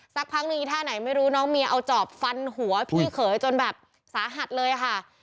สักพักหนึ่งอีท่าไหนไม่รู้น้องเมียเอาจอบฟันหัวพี่เขยจนแบบสาหัสเลยค่ะ